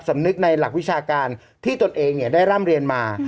สำนึกในหลักวิชาการที่ตนเองได้ร่ำเรียนมา